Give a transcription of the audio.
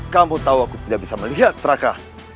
kamu tau aku tidak bisa melihat teraka